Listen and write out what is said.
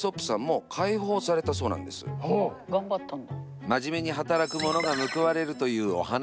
頑張ったんだ。